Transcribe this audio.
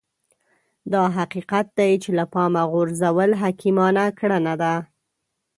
دا حقيقت دی چې له پامه غورځول حکيمانه کړنه ده.